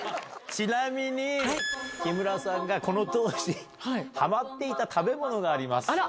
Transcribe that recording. ちなみに、木村さんがこの当時、はまっていた食べ物があります。